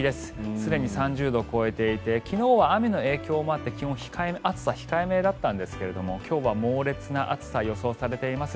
すでに３０度を超えていて昨日は雨の影響もあって暑さ控えめだったんですが今日は猛烈な暑さが予想されています。